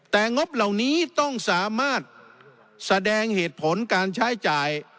แต่งบเหล่านี้ต้องสามารถแสดงเหตุผลการใช้จ่าย